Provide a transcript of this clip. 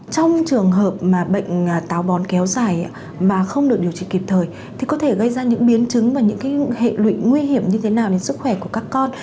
trong trường hợp mà bệnh táo bón kéo dài mà không được điều trị kịp thời thì có thể gây ra những biến chứng và những hệ lụy nguy hiểm như thế nào đến sức khỏe của các con